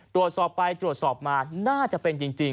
ตรวจสอบไปตรวจสอบมาน่าจะเป็นจริง